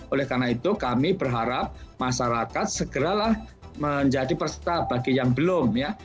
oleh karena itu kami berharap masyarakat segeralah menjadi peserta bagi yang belum ya